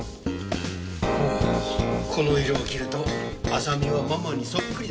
ああこの色を着ると亜沙美はママにそっくりだ。